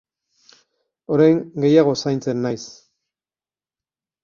Orain, gehiago zaintzen naiz.